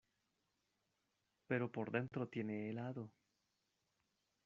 pero por dentro tiene helado.